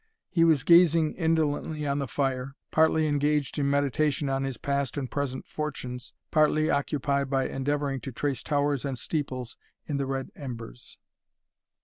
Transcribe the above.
He was gazing indolently on the fire, partly engaged in meditation on his past and present fortunes, partly occupied by endeavouring to trace towers and steeples in the red embers.